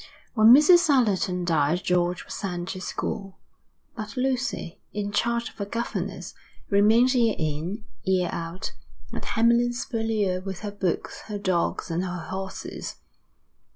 When Mrs. Allerton died George was sent to school, but Lucy, in charge of a governess, remained year in, year out, at Hamlyn's Purlieu with her books, her dogs, and her horses.